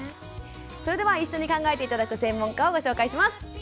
それでは一緒に考えて頂く専門家をご紹介します。